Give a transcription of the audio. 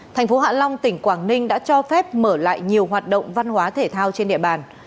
thành phố hạ long tỉnh quảng ninh đã cho phép mở lại nhiều hoạt động văn hóa thể thao trên địa bàn